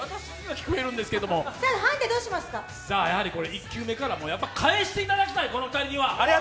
１球目から返していただきたい、この２人には。